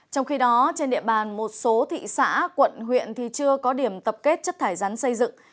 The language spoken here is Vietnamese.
trong khi đó trên địa bàn một số thị xã quận huyện thì chưa có điểm tập kết chất thải rắn xây dựng